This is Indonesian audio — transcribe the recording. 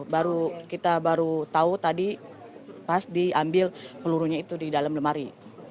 baru kita baru tahu tadi pas diambil pelurunya itu di dalam lemari